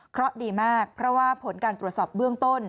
เพราะดีมากเพราะว่าผลการตรวจสอบเบื้องต้น